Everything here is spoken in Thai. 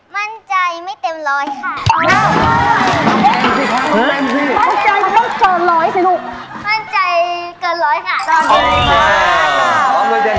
มั่นใจเกินร้อยค่ะ